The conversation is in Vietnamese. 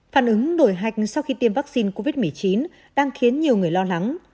phản ứng đổi hạch sau khi tiêm vaccine covid một mươi chín đang khiến nhiều người lo lắng